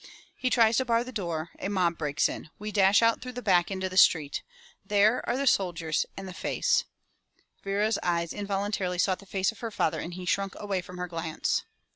He tries to bar the door, a mob breaks in — we dash out through the back into the street. There are the soldiers — and the face —" Vera's eyes involuntarily sought the face of her father and he shrunk away from her glance.